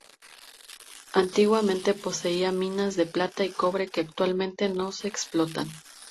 Antiguamente poseía minas de plata y cobre, que actualmente no se explotan.